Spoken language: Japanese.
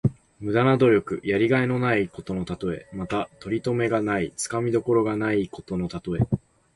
無駄な努力。やりがいのないことのたとえ。また、とりとめがない、つかみどころがないことのたとえ。